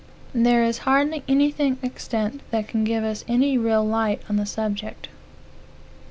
There is hardly anything extant that can give us any real light on the subject.